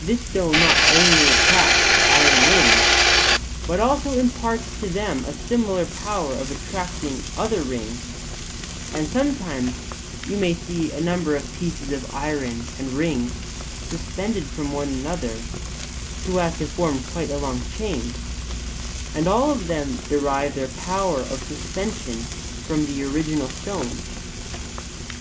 This stone not only attracts iron rings, but also imparts to them a similar power of attracting other rings; and sometimes you may see a number of pieces of iron and rings suspended from one another so as to form quite a long chain: and all of them derive their power of suspension from the original stone.